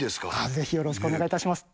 ぜひよろしくお願いいたします。